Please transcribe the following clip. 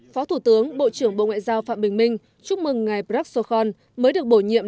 phó thủ tướng bộ trưởng bộ ngoại giao phạm bình minh chúc mừng ngày prat sokhon mới được bổ nhiệm